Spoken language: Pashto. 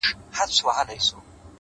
که نور څوک نسته سته څه يې کوې شېرينې’